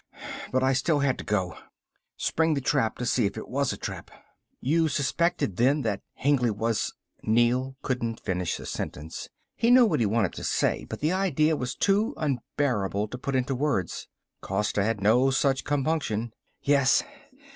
But I still had to go. Spring the trap to see if it was a trap." "You suspected then that Hengly was " Neel couldn't finish the sentence. He knew what he wanted to say, but the idea was too unbearable to put into words. Costa had no such compunction. "Yes.